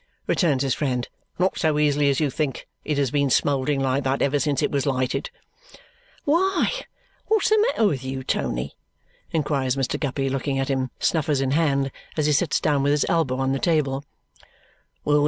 returns his friend. "Not so easily as you think. It has been smouldering like that ever since it was lighted." "Why, what's the matter with you, Tony?" inquires Mr. Guppy, looking at him, snuffers in hand, as he sits down with his elbow on the table.